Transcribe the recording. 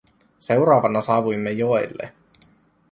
Seuraavana saavuimme joelle.